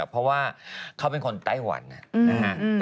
เพราะว่าเขาเป็นคนไต้หวันนะฮะ